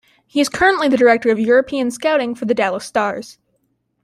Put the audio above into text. He is currently the Director of European Scouting for the Dallas Stars.